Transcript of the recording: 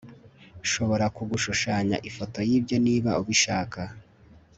Nshobora kugushushanya ifoto yibyo niba ubishaka